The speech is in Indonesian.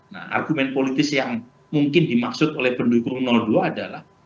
nah argumen politis yang mungkin dimaksud oleh pendukung dua adalah